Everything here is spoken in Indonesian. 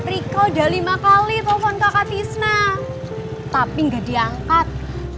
rika udah lima kali telepon kakak tisna tapi gak diangkat